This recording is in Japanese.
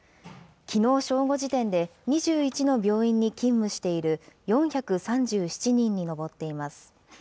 きのう正午時点で２１の病院に勤務している４３７人に上っています。